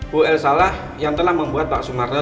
bu elsa salah yang telah membuat pak sumarno